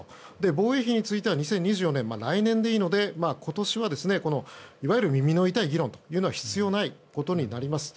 防衛費については２０２４年来年でいいので今年はいわゆる耳の痛い議論というのは必要ないことになります。